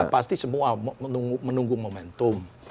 pasti semua menunggu momentum